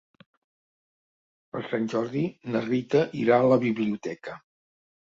Per Sant Jordi na Rita irà a la biblioteca.